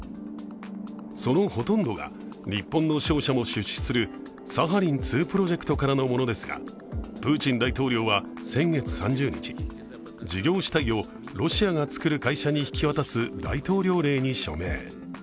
そのほとんどが日本の商社も出資するサハリン２プロジェクトからのものですが、プーチン大統領は先月３０日、事業主体をロシアが作る会社に引き渡す大統領令に署名。